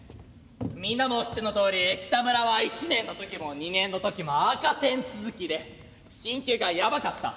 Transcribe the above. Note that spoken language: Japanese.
みんなも知ってのとおりキタムラは１年の時も２年の時も赤点続きで進級がヤバかった」。